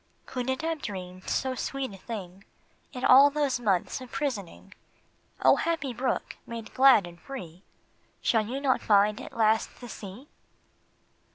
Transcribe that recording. Could it have dreamed so sweet a thing In all those months of prisoning ? O happy brook ! made glad, made free, Shall you not find at last the sea